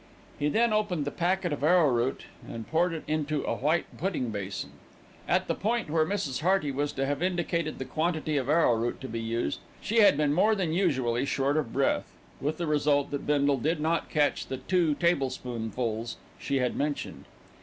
He then opened the packet of arrowroot and poured it into a white pudding basin. At the point where Mrs. Hearty was to have indicated the quantity of arrowroot to be used, she had been more than usually short of breath, with the result that Bindle did not catch the "two tablespoonfuls" she had mentioned.